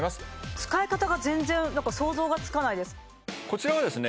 使い方が全然想像がつかないですこちらはですね